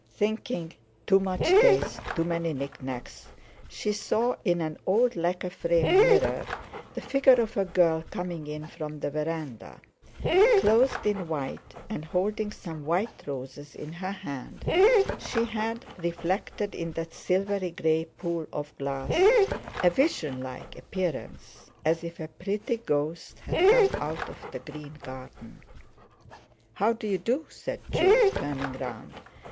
Thinking, 'Too much taste—too many knick knacks,' she saw in an old lacquer framed mirror the figure of a girl coming in from the verandah. Clothed in white, and holding some white roses in her hand, she had, reflected in that silvery grey pool of glass, a vision like appearance, as if a pretty ghost had come out of the green garden. "How do you do?" said June, turning round.